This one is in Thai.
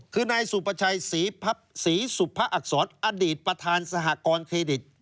คือนายสุประชัยศรีสุภะอักษรอดีตประธานสหกรณ์เครดิต